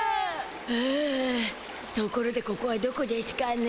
ふうところでここはどこでしゅかね？